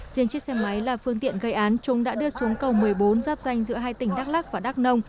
riêng chiếc xe máy là phương tiện gây án chúng đã đưa xuống cầu một mươi bốn giáp danh giữa hai tỉnh đắk lắc và đắk nông